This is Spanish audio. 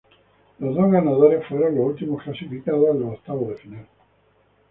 Los dos ganadores fueron los últimos clasificados a los octavos de final.